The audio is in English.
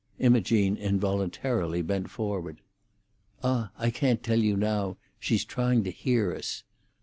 Imogene involuntarily bent forward. "Ah, I can't tell you now. She's trying to hear us."